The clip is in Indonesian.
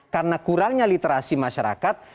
karena kurangnya literasi masyarakat